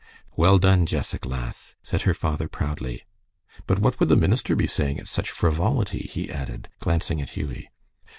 "Well done, Jessac, lass," said her father, proudly. "But what would the minister be saying at such frivolity?" he added, glancing at Hughie.